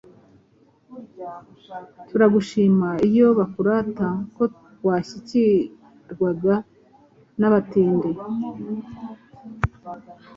Turagushima iyo bakurata Ko washyikirwaga n'abatindi !